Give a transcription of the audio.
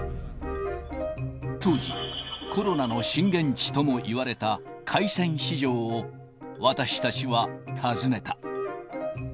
当時、コロナの震源地ともいわれた海鮮市場を私たちは訪ねた。